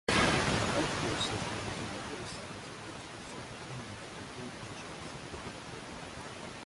The healthcare system has been criticized for its pursuit of payment from poor patients.